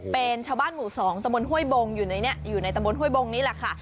เป็นชาวบ้านหมู่๒ตะบนห้วยบงอยู่ในนี้อยู่ในตำบลห้วยบงนี่แหละค่ะ